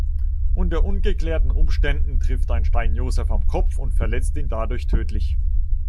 Unter ungeklärten Umständen trifft ein Stein Josef am Kopf und verletzt ihn dadurch tödlich.